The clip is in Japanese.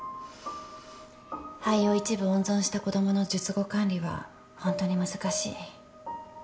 肺を一部温存した子供の術後管理はホントに難しい。